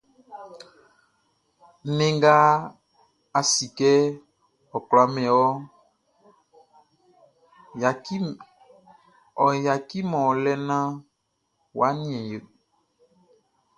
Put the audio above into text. Nnɛn nga a si kɛ ɔ kwla min wɔʼn, ɔ yaciman ɔ lɛ naan ɔ ɲin ɔ.